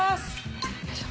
よいしょ。